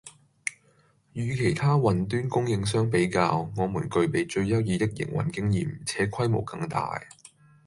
與其他雲端供應商比較，我們具備最優異的營運經驗且規模更大